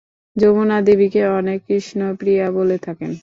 যমুনা দেবীকে অনেকে কৃষ্ণ প্রিয়া বলে থাকেন।